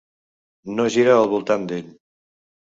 No gira al voltant d’ell.